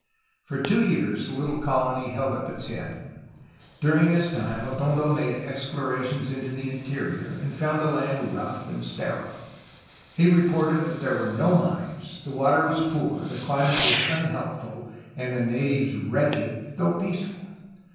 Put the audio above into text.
For two years the little colony held up its head. During this time Atondo made explorations into the interior, and found the land rough and sterile. He reported that there were no mines, the water was poor, the climate unhealthful, and the natives wretched though peaceful.